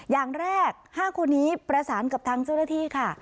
อย่างแรก๕คนนี้ประสานกับทางเจ้าหน้าที่ค่ะ